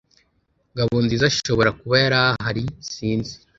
Ngabonziza ashobora kuba yari ahari. Sinzi.